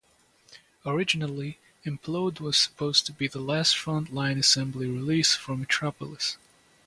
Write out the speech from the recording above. Originally, "Implode" was supposed to be the last Front Line Assembly release for Metropolis.